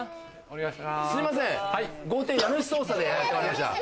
すいません、豪邸家主捜査でやって参りました。